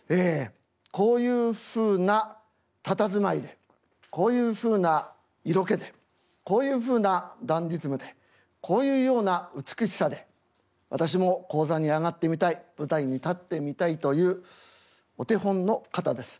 こういうふうなたたずまいでこういうふうな色気でこういうふうなダンディズムでこういうような美しさで私も高座に上がってみたい舞台に立ってみたいというお手本の方です。